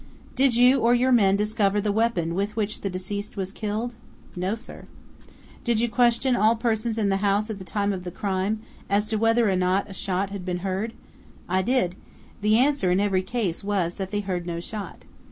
"Did you or your men discover the weapon with which the deceased was killed?" "No, sir." "Did you question all persons in the house at the time of the crime, as to whether or not a shot had been heard?" "I did. The answer in every case was that they heard no shot."